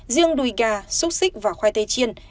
riêng đùi gà xúc xích và khoai tây chiên